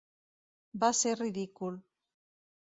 Va ser ridícul.